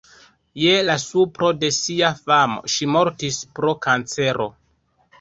Je la supro de sia famo ŝi mortis pro kancero.